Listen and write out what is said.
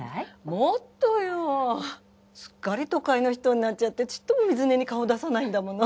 もっとよすっかり都会の人になっちゃってちっとも水根に顔出さないんだもの。